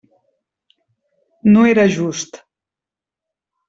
No era just.